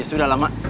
ya sudah lah mak